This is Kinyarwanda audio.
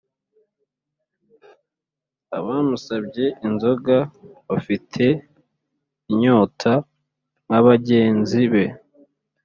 abamusabye inzoga bafite inyota nka bagenzi be